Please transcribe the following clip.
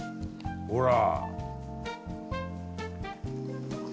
ほら。